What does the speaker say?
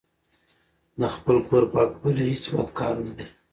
د خپل کور پاکول هیڅ بد کار نه ده.